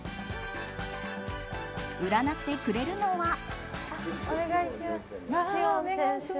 占ってくれるのは。